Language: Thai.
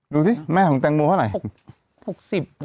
ดูสิแม่ของแตงโมเท่าไหร่